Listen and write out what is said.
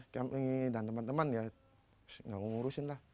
kami dan teman teman ya nggak ngurusin lah